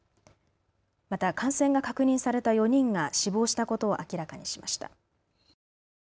また感染が確認された４人が死亡したことを明らかにしました。